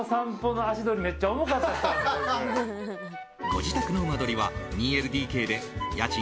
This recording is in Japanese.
ご自宅の間取りは２ＬＤＫで家賃